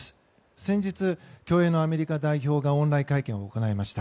先日、競泳のアメリカ代表がオンライン会見を行いました。